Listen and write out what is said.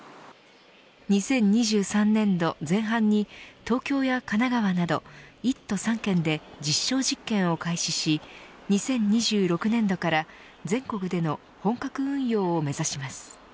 ２０２３年度前半に東京や神奈川など１都３県で実証実験を開始し２０２６年度から全国での本格運用を目指します。